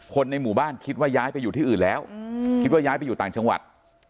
คนในหมู่บ้านคิดว่าย้ายไปอยู่ที่อื่นแล้วคิดว่าย้ายไปอยู่ต่างจังหวัด